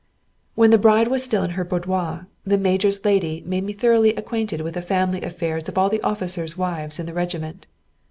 ] When the bride was still in her boudoir, the major's lady made me thoroughly acquainted with the family affairs of all the officers' wives in the regiment.